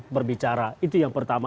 berbicara itu yang pertama